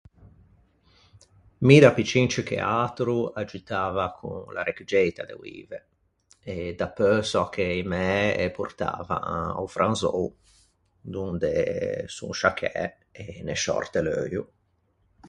Mi da piccin ciù che atro aggiuttava con l'arrecuggeita de oive. E dapeu sò che i mæ ê portavan a-o franzou donde son sciaccæ e ne sciòrte l'euio.